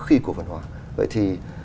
khi cổ phần hóa vậy thì